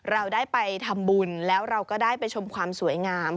เราได้ไปทำบุญแล้วเราก็ได้ไปชมความสวยงาม